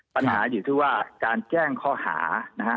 ปัญหาอยู่ที่ว่าการแจ้งข้อหานะฮะ